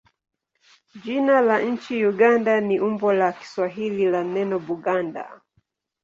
Jina la nchi Uganda ni umbo la Kiswahili la neno Buganda.